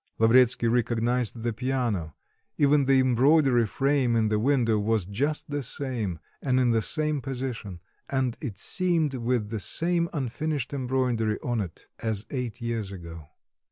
Lavretsky recognised the piano; even the embroidery frame in the window was just the same, and in the same position, and it seemed with the same unfinished embroidery on it, as eight years ago.